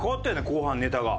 後半ネタが。